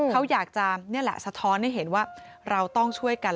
เขาอยากจะนี่แหละสะท้อนให้เห็นว่าเราต้องช่วยกัน